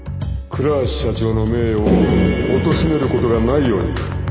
倉橋社長の名誉をおとしめることがないように。